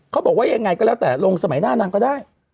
เขาบอกว่ายังไงก็แล้วแต่ลงสมัยหน้านางก็ได้